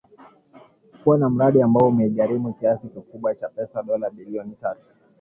kuwa mradi ambao umeigharimu kiasi kikubwa cha pesa dola bilioni tatu